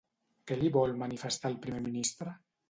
Què li vol manifestar el primer ministre?